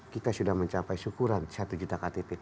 kita sudah mencapai syukuran satu juta ktp